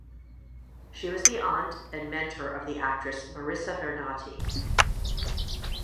She was the aunt and mentor of the actress Marisa Vernati.